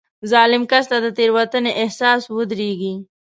ظالم کس ته د تېروتنې احساس ودرېږي.